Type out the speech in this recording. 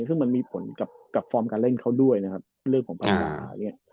ซึ่งมันมีผลกับฟอร์มการเล่นเขาด้วยนะครับเรื่องของปัญหาเนี่ย